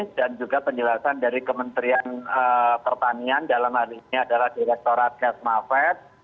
dan juga penjelasan dari kementerian pertanian dalam hal ini adalah direkturat ketmafet